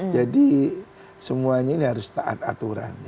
jadi semuanya ini harus taat aturan